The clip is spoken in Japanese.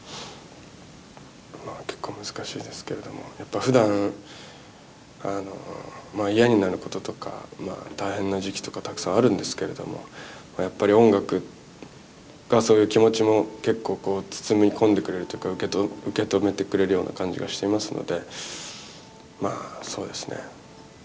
まあ結構難しいですけれどもやっぱふだん嫌になることとか大変な時期とかたくさんあるんですけれどもやっぱり音楽がそういう気持ちも結構包み込んでくれるというか受け止めてくれるような感じがしていますのでまあそうですね。